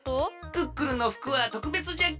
クックルンのふくはとくべつじゃけえのう。